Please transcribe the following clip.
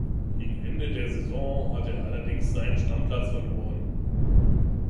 Gegen Ende der Saison hatte er allerdings seinen Stammplatz verloren.